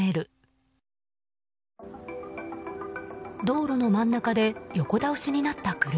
道路の真ん中で横倒しになった車。